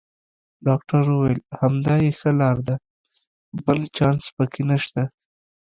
ډاکټر وویل: همدا یې ښه لار ده، بل چانس پکې نشته.